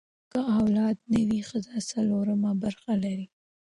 که اولاد نه وي، ښځه څلورمه برخه لري.